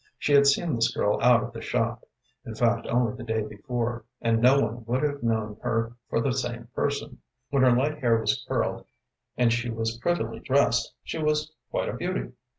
She had seen this girl out of the shop in fact, only the day before and no one would have known her for the same person. When her light hair was curled, and she was prettily dressed, she was quite a beauty.